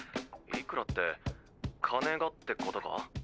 いくらって金がってことか？